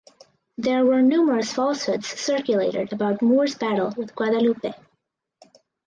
There were numerous falsehoods circulated about Moore’s battle with Guadalupe.